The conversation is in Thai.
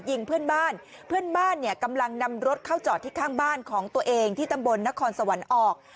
ยิงเพื่อนบ้านเพื่อนบ้านเนี่ยกำลังนำรถเข้าจอดที่ข้างบ้านของตัวเองที่ตำบลนครสวรรค์ออก